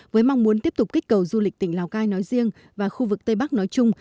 với mong muốn tiếp tục kích cầu du lịch tỉnh lào cai nói riêng và khu vực tây bắc nói chung